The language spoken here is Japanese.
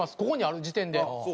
ここにある時点で。